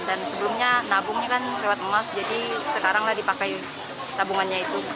dan sebelumnya nabungnya kan lewat emas jadi sekarang lah dipakai tabungannya itu